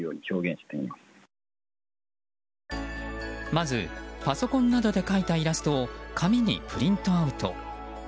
まずパソコンなどで描いたイラストを紙にプリントアウト。